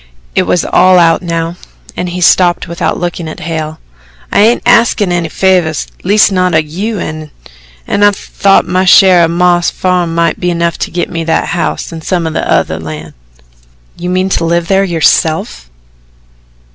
It was all out now, and he stopped without looking at Hale. "I ain't axin' any favours, leastwise not o' you, an' I thought my share o' Mam's farm mought be enough to git me the house an' some o' the land." "You mean to live there, yourself?"